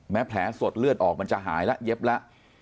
แผลสดเลือดออกมันจะหายแล้วเย็บแล้ว